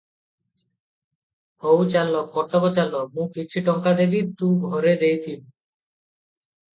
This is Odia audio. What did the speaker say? ହଉ ଚାଲ, କଟକ ଚାଲ, ମୁଁ କିଛି ଟଙ୍କା ଦେବି, ତୁ ଘରେ ଦେଇଯିବୁ ।